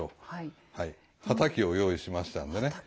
はたきを用意しましたんでね。